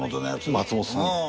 松本さんの。